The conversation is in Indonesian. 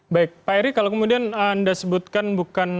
baik pak eri kalau kemudian anda sebutkan bukan